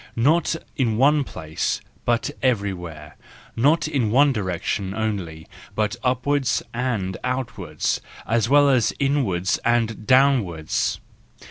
—not in one place, but everywhere, not in one direction only, but upwards and outwards, as well as inwards and downwards.